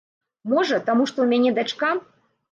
Можа, таму што ў мяне дачка?